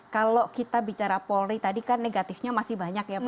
kalau kita bicara polri tadi kan negatifnya masih banyak